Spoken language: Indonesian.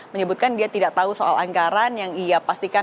menyebutkan dia tidak tahu soal anggaran yang ia pastikan